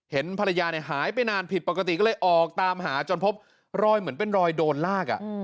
เห็นภรรยาหายไปนานผิดปกติก็เลยออกตามหาจนพบรอยเหมือนเป็นรอยโดนลาก